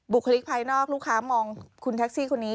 คลิกภายนอกลูกค้ามองคุณแท็กซี่คนนี้